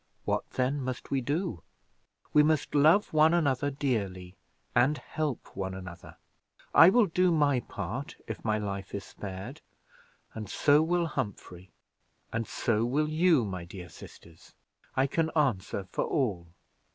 What, then, must we do? We must love one another dearly, and help one another. I will do my part, if my life is spared, and so will Humphrey, and so will you my dear sisters. I can answer for all.